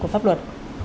của pháp luật